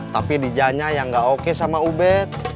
tapi dizanya yang gak oke sama ube